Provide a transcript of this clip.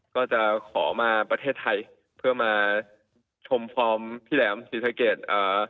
ก็จะขอมาประเทศไทยเพื่อมาชมพร้อมพี่แหลมศิษยาเกียรติ